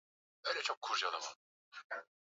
Ningetaka kukumaliza lakini mimi si mnyama